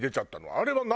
あれは何？